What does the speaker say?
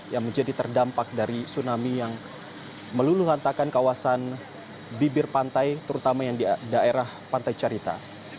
yang menjadi terdampak dari tsunami yang meluluhantakan kawasan bibir pantai terutama yang di daerah pantai carita